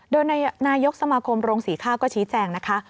โดยนายกสมาคมโรงศรีข้าวก็ชี้แจงนะคะ